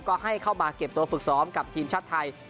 ก็ให้เข้ามาเก็บตัวฝึกซ้อมกับทีมชาติไทย